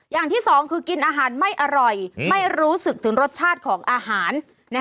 อย่างที่สองคือกินอาหารไม่อร่อยไม่รู้สึกถึงรสชาติของอาหาร